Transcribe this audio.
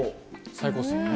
最高っすよね。